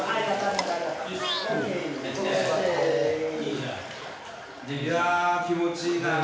いや気持ちいいなあ。